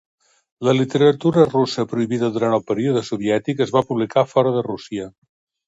La literatura russa prohibida durant el període soviètic es va publicar fora de Rússia.